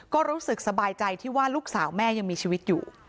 ก็รู้สึกสบายใจที่ว่าลูกสาวแม่ยังมีชีวิตอยู่